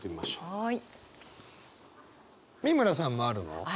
はい。